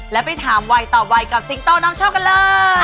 แล้วไปถามไวตอบไวกับซิงโกน้องช็อกกันเลย